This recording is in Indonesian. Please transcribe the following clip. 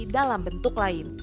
dalam bentuk lain